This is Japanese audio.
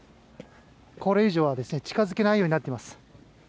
これ以上は近づけないようになっています。